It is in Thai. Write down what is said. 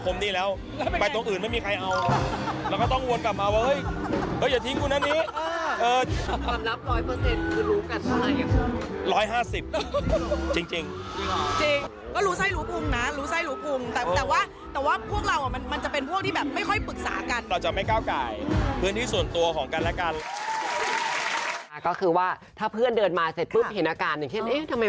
รู้ไส้รู้พุมนะรู้ไส้รู้พุมแต่ว่าแต่ว่าครูกลาวอ่ะ